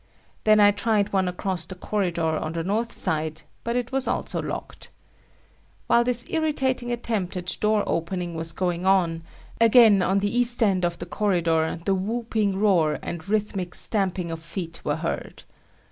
Then I tried one across the corridor on the northside, but it was also locked. While this irritating attempt at door opening was going on, again on the east end of the corridor the whooping roar and rhythmic stamping of feet were heard.